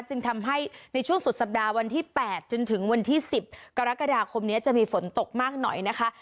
จึงทำให้ในช่วงสุดสัปดาห์วันที่๘จนถึงวันที่๑๐กรกฎาคมนี้จะมีฝนตกมากหน่อยนะคะ